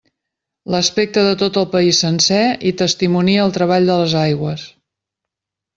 L'aspecte de tot el país sencer hi testimonia el treball de les aigües.